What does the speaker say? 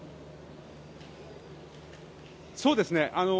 そうですね。